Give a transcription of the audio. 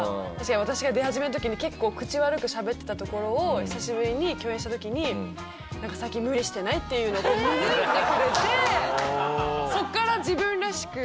私が出始めの時に結構口悪くしゃべってたところを久しぶりに共演した時に「なんか最近無理してない？」っていうのを見抜いてくれてそこから自分らしく。